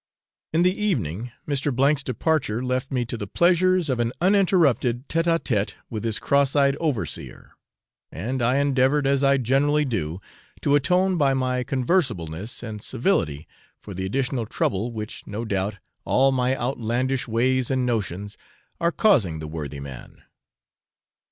In the evening, Mr. 's departure left me to the pleasures of an uninterrupted tête à tête with his crosseyed overseer, and I endeavoured, as I generally do, to atone by my conversibleness and civility for the additional trouble which, no doubt, all my outlandish ways and notions are causing the worthy man.